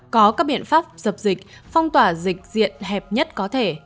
có các biện pháp dập dịch phong tỏa dịch diện hẹp nhất có thể